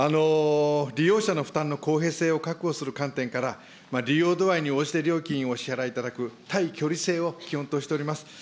利用者の負担の公平性を確保する観点から、利用度合いに応じて料金をお支払いいただく対距離制を基本としております。